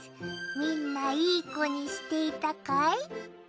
みんないい子にしていたかい？